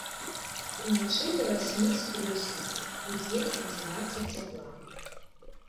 Уначы да васьмі з плюсам, удзень адзінаццаць цяпла.